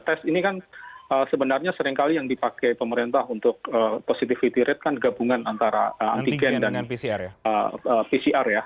tes ini kan sebenarnya seringkali yang dipakai pemerintah untuk positivity rate kan gabungan antara antigen dan pcr ya